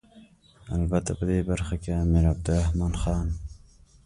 البته په دې برخه کې امیر عبدالرحمن خان.